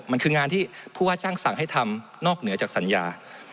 มันคืองานที่ผู้ว่าจ้างสั่งให้ทำนอกเหนือจากสัญญา